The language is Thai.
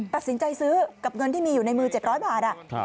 ตัดสินใจซื้อกับเงินที่มีอยู่ในมือ๗๐๐บาท